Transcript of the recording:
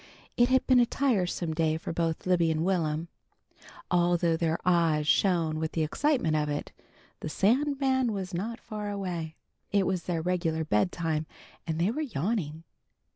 It had been a tiresome day for both Libby and Will'm. Although their eyes shone with the excitement of it, the Sandman was not far away. It was their regular bedtime, and they were yawning.